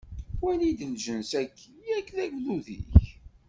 Wali-d lǧens-agi, yak d agdud-ik!